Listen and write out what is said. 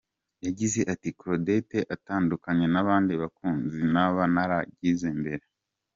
Yagize ati “Claudette atandukanye n’ abandi bakunzi naba naragize mbere.